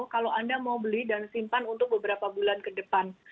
kalau anda mau beli dan simpan untuk beberapa bulan ke depan